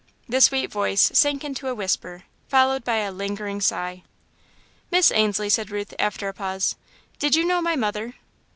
The sweet voice sank into a whisper, followed by a lingering sigh. "Miss Ainslie," said Ruth, after a pause, "did you know my mother?"